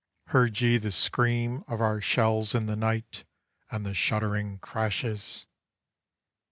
Heard ye the scream of our shells in the night, and the shuddering crashes?